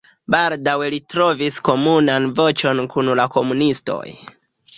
Baldaŭe li trovis komunan voĉon kun la komunistoj.